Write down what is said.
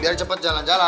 biar cepet jalan jalan